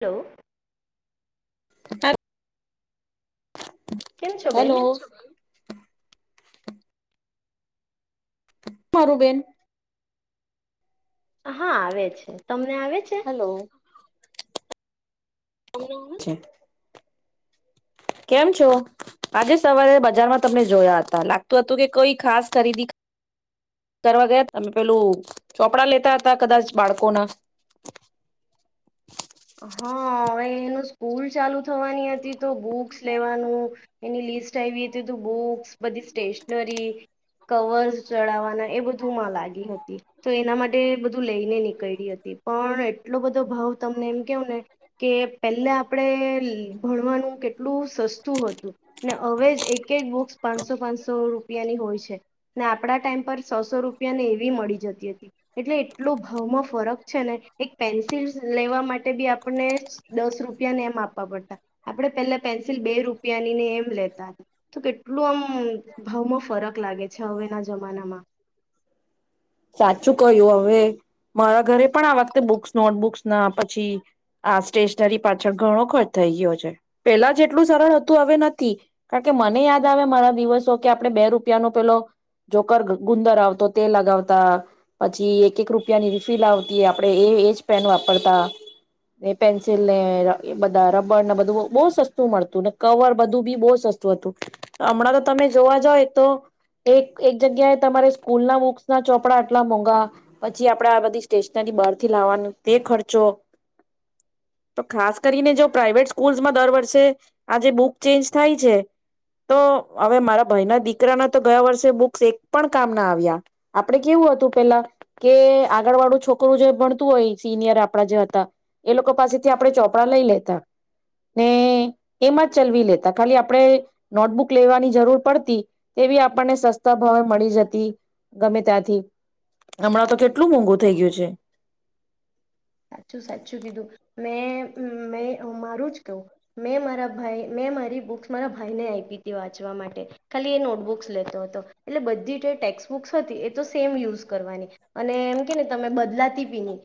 Hello. ત કેમ છો [unintelligible] બેન હલો. [unintelligible] હા આવે છે તમે તમને આવે છે. હેલો છે. કેમ છો આજે સવારે બજારમાં તમને જોયા હતા લાગતું હતું કે કોઈ ખાસ ખરીદી કરવા ગયા તમે પેલું ચોપડા લેતા હતા કદાચ બાળકોના હા હવે એનું સ્કૂલ ચાલુ થવાનું તો બુક્સ લેવાનું એની લિસ્ટ બૂક્સ બધી સ્ટેશનરી કવર ચડવાના એ બધું મા લાગી હતી તો એના માટે લઈને નીકળી હતી પણ એટલો બધો ભાવ કે પેલા આપડે ભણવાનું કેટલું સસ્તું હતું ને હવે એક એક બુક પાનસો સો પાંચસો રૂપિયાની હોય છે ને આપડા ટાઈમ પર સસો રૂપિયા ને એવી મળી જતી હતી એટલે એટલો ભાવમાં ફરક છે ને એક પેન્સિલ લેવા માટે બી આપને દસ રૂપિયાને એમ આપવા પડતા આપણે પેલા પેન્સિલ બે રૂપિયાનીને એમ લેતા હતા તો કેટલું આમ ભાવમાં ફરક લાગે છે હવેના જમાનામાં ક્યું હવે, મારા ઘરે પણ આ વખતે બુક્સ નોટબુક્સ ના પછી, આ સ્ટેશનરી પાછળ ઘણો ખર્ચ થઈ ગયો છે, પેલા જેટલું સરળ હતું હવે નથી, કારણ કે મને યાદ મારા દિવસો કે આપણે બે રૂપિયા નો પેલો, જોકર ગુંદર આવતો તે લગાવતા, પછી એક એક રૂપિયાની રિફીલ આવતી આપે એ એજ પેન વાપરતા, એ પેન્સિલને બધા રબડને બધું બહ સસ્તું મળતું ને કવર બધું બી બહુ સસ્તું હતું. હમણાં તો તમે જોવા જ તો, એક એક જગ્યાએ તમારે સ્કૂલ ના બુક્સ ના ચોપડા આટલા મોંઘા, પછી આપણેે આ બધી સ્ટેશનરી બહારથી લાવવાનું તે ખર્ચો, તો ખાસ કરીને જો પ્રાાઈવેટ સ્કૂલ્સમાં દર વર્ષે, આજે બુક ચેન્જ થાય છે તો હવે મારા ભાઈ ના દીકરાના તો ગયા વર્ષે બુક્સ એક પણ કામ ના આવ્યા, આપે કેવું હતું પેલા કે આગળ વાળું છોકરું જે ભણતું હોય સિનિયર આપણા જે હતા, એ લોકો પાસેથી આપણે ચોપડા લઈ લેતા, ને એમાં જ ચલવી લેતા ખાલી આપણે નોટબુક લેવાની જરૂર પડતી તેવી, આપણને સસ્તા ભાવે મળી જતી, ગમે ત્યાંથી, હમણાં તો કેટલું મોંઘુ થઈ ગયું છે. સાચું સાચું કીધું, મેં મે મારું જ કહું, મેં મારા ભાઈ મેં મારી બુક્સ મારા ભાઈને આપી હતી વાંચવા માટે ખાલી એ નોટબુક્સ લેતો હતો, એટલે બધી જે ટેક્સ બુક્સ હતી એ તો સેમ યુઝ કરવાની, અને એમ કે ને તમે બદલાતી ભી ની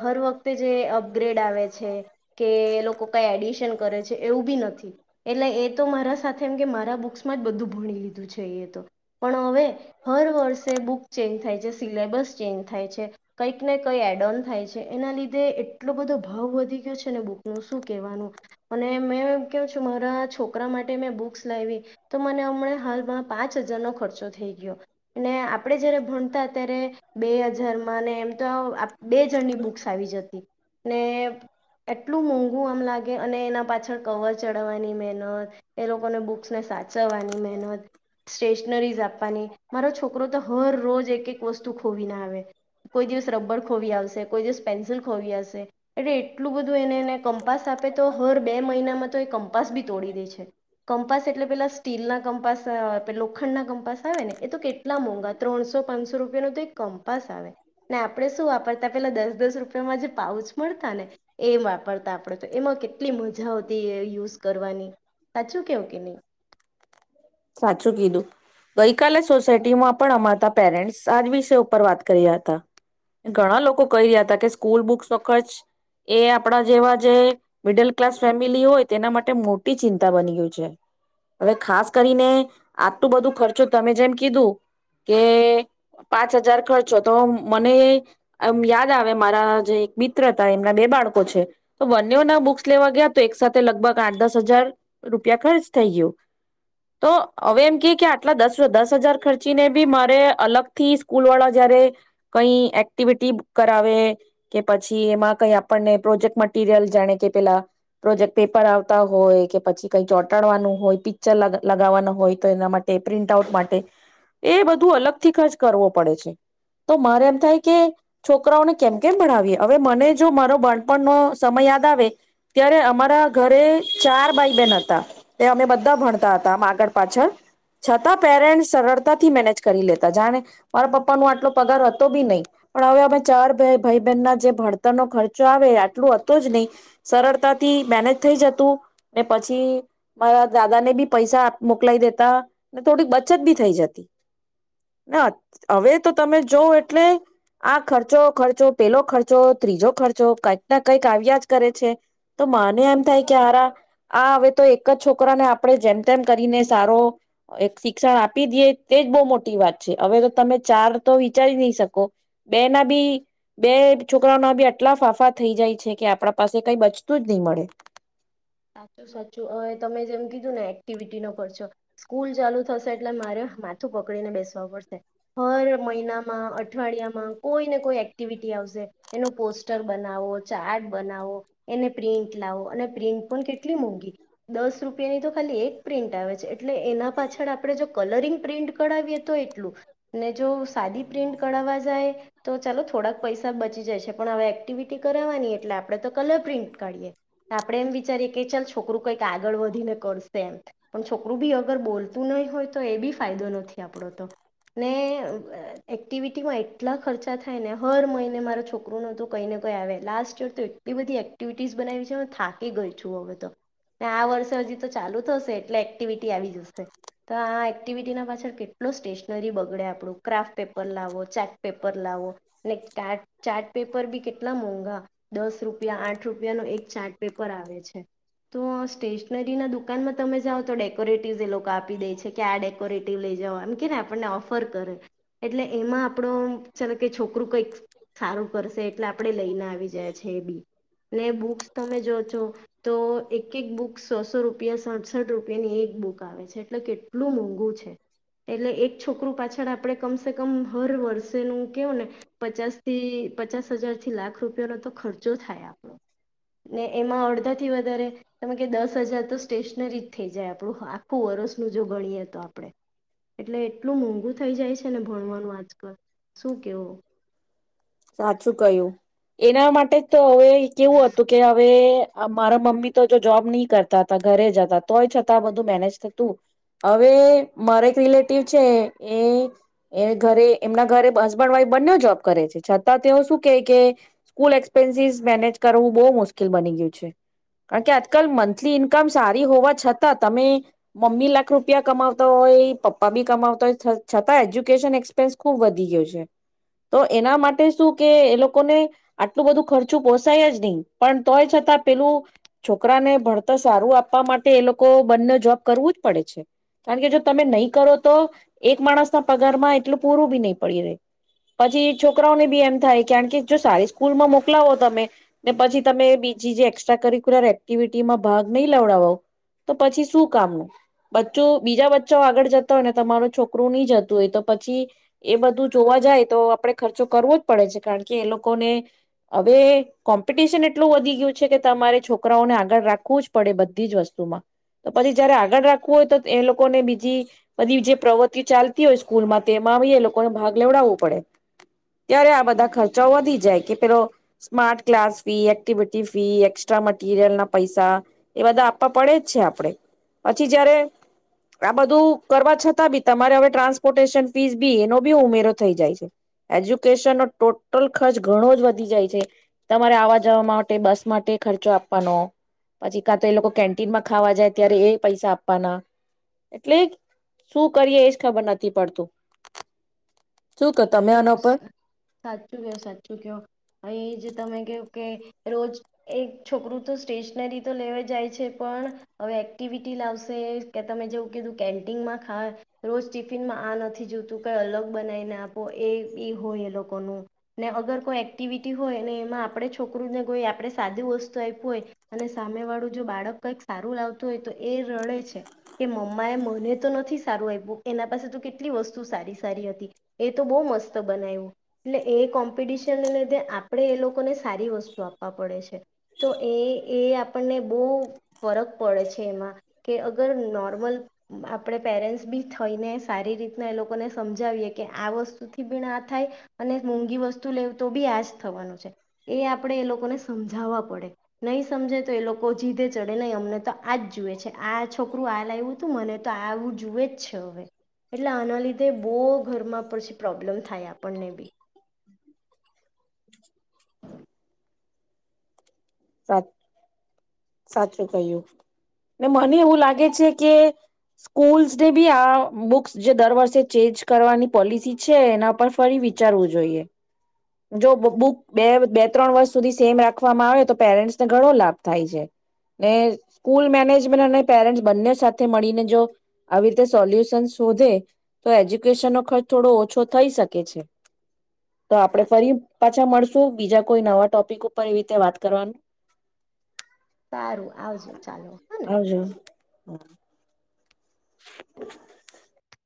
હર વખતે જે અપગ્રેડ આવે છે, કે એ લોકો કાંઈ એડિશન કરે છે એવું બી નથી, એટલે એ તો મારા સાથે એમ કે મારા બુક્સમાં જ બધું ભળી લીધું છે એ યે તો હવે હર વર્ષે બુક ચેન્જ થાય છે સિલેબસ ચેન્જ થાય છે, ક ને કઈ એડ ઓન થાય છે. એના લીધે એટલો બધો ભાવ વધી ગયો છે ને બુક નું શું કેહેવાનું. એને મેં એમ કહું છુ મારાં છો છોકરા માટે મેં બુક્સ લાવી, તો મને હમણાં હાલમાં પાંચ હજારનો ખર્ચો થઈ ગયો, અને આપણે જ્યારે ભણતા ત્યારે બે હજારમાં એમ તો બે જણની બુ બુક્સ આવી જતી, ને એટલું મોંઘું આમ લાગે અને એના પાછળ કવર ચડવાની મહેનત. એ લોકોને બુક્સને સાચવવાની મહેનત, સ્ટેશનરીઝ આપવાની, મારો છોકરો તો હર રોજ એક એક વસ્તુ ખોવી ના આવે, કોઈ દિવસ રબર ખોવી આવશે. કોઈ દિવસ પેન્સિલ ખોવી હશે, એટલે એટલું બધું એને કંપાસ આપે તો હર બે મહિનામાં તો એ કંપાસ બી તોડી દે છે, કંપાસ એટલે પેલા સ્ટીલના કંપાસ લોખંડના કંપાસ આવે ને એ તો કેટલા મોંઘા ત્રણસો પાંચસો રૂપિયા ન તો એ કંપાસ આવે, ને આપણે શું વાપરતા પેલા દસ દસ રૂપિયામાં જે પાઉચ મળતા ને એ વાપરતા આપણે તો એમાં કેટલી મજા આવતી યુઝ કરવાની સાચું કેવ કે નહી. સાચું કીધું ગઈકાલે સોસાયટીમાં પણ અમારા પેરેન્ટ્સ આજ વિષય ઉપર વાત કર્યા હતા, ઘણા લોકો કહી રહ્યા હતા કે સ્કૂલ બુક્સ વખત એ આપણા જેવા જે મિડલ ક્લાસ ફેમિલી હોય તેના માટે ચિંતા બની ગયું છે, હવે ખાસ કરીને આટલું બધું ખર્ચો તમે જેમ કીધું, કે પાંચ હજાર ખર્ચો તો મનેમ યાદ આવે મારા જે એક મિત્ર હતા એમના બે બાળકો છે, તો બંનેના બુક્સ લેવા ગયા તો એક સાથે લગભગ આઠ દસ હજાર રૂપિયા ખર્ચ થઈ ગયું, તો હવે એમ ક કે આટલા દસ દસ હજાર ખર્ચીને બી મારે અલગથી સ્કૂલ વાળા જયારે, કઈ એક્ટિવિટી કરાવે કે પછી એમાં કઈ આપણને પ્રોજેક્ટ મટીિરિયલ જાણે, કે પેલા પ્રોજેક્ટ પેપર આવતા હોય કે પછી કઈ ચોંટાડવાનું હોય પિક્ચર લગાવવાનું હોય તો એના માટે પ્રિન્ટ આઉટ માટે, એ બધું અલગ થી ખચ કરવો પડે છે, તો મારે એમ થાય કે છોકરાઓને કેમ કેમ ભણાવીએ, હવે મને જો મારો બાણપણનો સમય યાદ આવે ત્યારે અમારા ઘરે ચાર ભાઈબહેન હતા, તે અમે બધા ભણતા હતા આમ આગળ પાછળ, છતાં પેરેન્ટસ સરળતાથી મેનેજ કરી લેતા જાણે, મારા પપ્પા નો આટલો પગાર હતો બી નહી, પણ હવે અમે ચાર ભાઈ બહેન ના જે ભણતરનો ખર્ચો આવે આટલું હતો જ નહી, સરળતાથી મેનેજ થઈ જતું. ને પછી મારા દાદા ને બી પૈસા મોકલાય દેતા ને થોડીક બચત બી થઈ જતી, હવે તો તમે જોવ એટલે, આ ખર્ચો ખર્ચો પેલો ખર્ચો ત્રીજો ખર્ચો કઈક ના કંઈક આવ્યા જ કરે છે, તો માને એમ થાય કે હાર આ હવે તો એક જ છોકરાને આપણે જેમ તેમ કરીને સારો, એક શિક્ષણ આપી દઈએ તેજ બહુ મોટી વાત છે હવે તો તમે ચાર તો વિચારી નહી શકો, બે ના બી બે છોકરાના બી આટલા ફાંફા થઈ જાય છે કે આપણા પાસે કઈ બચતું જ નહી મળે. સાચું સાચું હવે તમે જેમ કીધું ને એક્ટિવિટીનો કરશો, સ્કૂલ ચાલુ થશે એટલે મારે માથું પકડીને બેસવા પડશે, હર મહિનામાં અઠવાડિયામાં કોઈ ને કોઈ એક્ટિવિટી આવશે, એનું પોસ્ટર બનાવો ચાર્ટ બનાવો, એને પ્રિન્ટ લાવો અને પ્રિન્ટ પણ કેટલી મૂંઘી, દસ રૂપિયાની તો ખાલી એક પ્રિન્ટ આવે છે એટલે એના પાછળ આપણે જો કલરિંગ પ્રિન્ટ કઢાવીએ તો એટલું, ને જો સાદી પ્રિન્ટ કઢાવવા જાય તો ચાલો થોડાક પૈસા બચી જાય છે પણ હવે એક્ટિવિટી કરાવની એટલે આપણે તો પ્રિ કરી આપણે એક ચાલ છોકરો કઈક આગળ વધીને કરશે એમ, પણ છોકરું બી અગર બોલતું નહીં હોય તો એ બી ફાયદો ન નથી આપણો તો, ને એક્ટિવિટીમાં એટલા ખર્ચા થાય ને હર મહિને મારો છોકરોનું તો કંઈ ને કંઈ આવે લાસ્ટ યર તો એટલી બધી એક્ટિવિટીઝ બનાવી છેમાં થાક કી ગય. આ વર્ષે હજી તો ચાલુ થશે એટલે એક્ટિવિટી આવી જશે તો આ એક્ટિવિટી પાછળ કેટલો સ્ટેશનરી બગડે આપણું ક્રાફ્ટ પેપર લાવો ચાર્ટ પેપર લાવો ચાર્ટ પેપર બી કેટલા મોંઘા દસ રૂપિયા આઠ રૂપિયા ન એક ચાર્ટ તો સ્ટેશનરી ના દુકાનમાં તમે જાઓ તો ડેકોરેટિવસ એ લોકો આપી દે છે કે આ ડેકોરેટિવ લઈ જઓ આમ કે ને આપણને ઓફર કરે એટલે એમાં આપણો ચ કે છોકરું કઈક સારું કરશે એટલે આપણે લઈને આવી જાય છે એ બી અને એ બુસ તમે જો છો તો એક એક બુક સોસો રૂપિયા સડસઠ રૂપિયાની એક બુક આવે છે એટલે કેટલું મોંઘું છે એટલે એક છોકરું પાછળ આપણે કમસે કમ હર વર્ષેનું કેવું ને પચાસ થી પચાસ હજારથી લાખ રૂપિયાનો તો ખર્ચો થાય આપણો. ને એમાં અડધા સૌથી વધારે ત કે દસ હજાર તો સ્ટેશનરી જ થઈ જાય આપણું આખું વરસનું જો ગણીએ તો આપડણે એટલે એટલું મોંઘું થઈ જાય છે ને ભણવાનું આજકાલ શું કેવું? સાચું કહ્યું એના માટે જ તો હવે કેવું હતું કે હવે મારા મમ્મી તો જો જોબ નહી કરતા હતા ઘરે જતા તોય છતાં બધું મેનેજ થતું હવે મારા એક રિલેટિવ છે એ ઘરે એમના ઘરે હસબન્ડ વાઈફ બંને જોબ કરે છે છતાં તેઓ શું કેહે કે સ્કૂલ એક્સપેન્સિસ મેનેજ કરવું બહુ મુશ્કેલ બની ગયું છે. કારણ કે આજકાલ મંથલી ઈન્કમ સારી હોવા છતાં તમે મમ્મી લાખ રૂપિયા કમાવતા હોય પપ્પા બી કમાવતા હોય છતાં એજ્યુકેશન એક્સપેન્સ ખુબ વધી ગયો છે તો એના માટે શું કે એ લોકોને આટલું બધું ખર્ચું પોસાય જ નહીં પણ તોય છતાં પેલું છોકરાને ભણતર સારું આપવા માટે એ લોકો બંને જોબ કરવું જ પડે છે કારણ કે જો તમે નહી કરો તો એક માણસ ના પગારમાં એટલું પૂરું બી નહી પડી રહે પછી છોકરાઓને બી એમ થાય કારણ કે જો સારી સ્કૂલમાં મોકલાવો તમે ને પછી તમે બીજી જે એસ્ટ્રા કરિક્યુલર એક્ટિવિટીમાં ભાગ નહીં લવડાવો તો પછી શું કામનું બચ્ચો બીજા બચ્ચા આગળ જતા હોય ને તમારું છોકરું નહી જતું હોય તો પછી એ બધું જોવા જાય તો આપણે ખર્ચો કરવો જ પડે છે કારણ કે એ લોકોને હવે કોમ્પિટિશન એટલું વધી ગયું છે કે તમારે છોકરાઓને આગળ રાખવું જ પડે બધી જ વસ્તુમાં તો પછી જયારે આગળ રાખવું હોય તો એ લોકોને બીજી બધી જે પ્રવૃતિઓ ચાલતી હોય સ્કૂલમાં તેમાં એ લોકોને ભાગ લેવડાવવું પડે. ત્યારે આ બધા ખર્ચા વધી જાય કે કે ઓલો smart class fee activity fee એક એસ્ટ્રા મટીરિયલ ના પૈસા એ બધા આપવા પડે જ છે આપણે પછી જયારે આ બધું કરવા છતાં બી તમારે હવે ટ્રાન્સપોર્ટેશન ફીસ બી એનો બી ઉમેરો થઈ જાય છે એજ્યુકેશનનો ટોટલ ખર્ચ ઘણો જ વધી જાય છે તમારે આવા જવા માટે બસ માટે ખર્ચો આપવાનો પછી કાં તો એ લોકો કેન્ટીનમાં ખાવા જાય ત્યારે એ પૈસા આપવાના એટલે શું કરીએ એજ ખબર નથી પડતું. શું ક તમે સાચું આના પર સાચું કયો સાચું કયો અ એ જ તમે કે કે રોજ એક છોકરું તો સ્ટેશનરી તો લેવા જાય છે પણ હવે એક્ટિવિટી લાવશે કે તમે જેવું કીધું કેન્ટીનમાં ખા રોજ ટિફિનમાં આ નથી જોતું કઈ અલગ બનાવીને આપ તો એ બ હોય એ લોકોનું ને અગર કોઈ એક્ટિવિટી હોય ને એમાં આપણે છોકરુંને કોઈ આપણે સાદું વસ્તુ આપું હોય અને સામેવાળું જો બાળક કંઈક સારું લાવતું હોય તો એ રડે છે કે મમ્માએ મને તો નથી સારું આપવું એના પાસે તો કેટલી વસ્તુ સારી સારી હતી. એ તો બહુ મસ્ત બનાવ્યું એટલે એ કોમ્પિટિશનને લીધે આપણે એ લોકોને સારી વસ્તુ આપવા પડે છે તો એ એ આપણને બહુ ફરક પડે છે એમાં કે અગર નોર્મલ આપણે પેરેન્ટ્સ બી થઈને સારી રીતના એ લોકોને સમજાવીએ. કે આ વસ્તુ ભી આ થાય અને મોંઘી વસ્તુ લેવ તો બી આજ થવાનું છે એ આપડે એ લોકોને સમજાવવા પડે નહીં સમજે તો એ લોકો જીદે ચડે નહી અમને તો આજ જુએ છે આ છોકરું આ લાવું તું મને તો આ આવું જુએ જ છે હવે એટલે અના લિધે બવ ઘરમાં પડશે પ્રોબ્લેમ થાય આપણને બી. [inaudible] સાત સાચું કહ્યું ને મને એવું લાગે છે કે સ્કૂલ્સને બી આ બુક્સ જે દર વર્ષે ચેન્જ કરવાની પોલિસી છે એના પર ફરી વિચારવું જોઈએ જો બુક બે બે ત્રણ વર્ષ સુધી સેમ રાખવામાં આવે તો પેરેન્ટ્સને ઘણો લાભ થાય છે ને સ્કૂલ મેનેજમેન્ટ અને પેરેન્ટ બંને સાથે મળીને જો આવી રીતે સોલ્યુશન શોધે તો એજ્યુકેશનનો ખર્ચ થોડો ઓછો થઈ શકે છે. તો આપડે સાચું ફરી પાછા મળશુ બીજા કોઈ નવા ટોપિક ઉપર એવી રીતે વાત કરવાનું સારું આવજો ચાલો હે ને હમ [unintelligible] [inaudible]